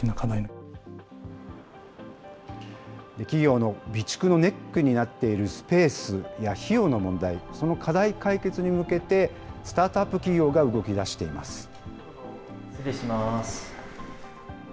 企業の備蓄のネックになっているスペースや費用の問題、その課題解決に向けて、スタートアップ企業が動きだしています。